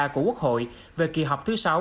của quốc hội về kỳ họp thứ sáu